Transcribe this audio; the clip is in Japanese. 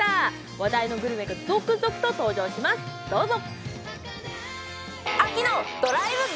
話題のグルメが続々と登場します、どうぞ！